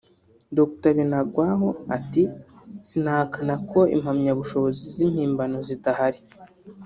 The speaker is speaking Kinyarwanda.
Dr Binagwaho ati “Sinahakana ko impamyabushobozi z’impimbano zidahari